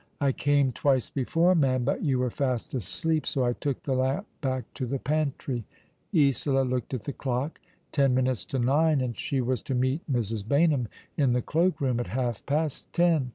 " I came twice before, ma'am ; but you were fast asleep, so I took the lamp back to the pantry." Isola looked at the clock. Ten minutes to nine, and she was to meet Mrs. Baynham in the cloak room at half past ten.